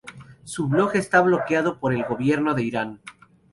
Su blog está bloqueado por el gobierno en Irán.